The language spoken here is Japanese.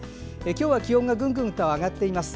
今日は気温がぐんぐんと上がっています。